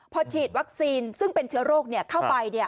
พอฉีดวัคซีนซึ่งเป็นเชื้อโรคเข้าไป